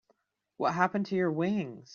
What happened to your wings?